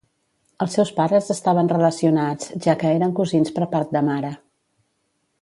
Els seus pares estaven relacionats ja que eren cosins per part de mare.